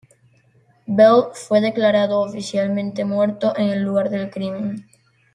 Bell fue declarado oficialmente muerto en el lugar del crimen.